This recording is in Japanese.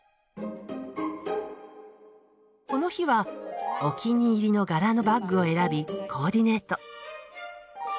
この日はお気に入りの柄のバッグを選びコーディネート。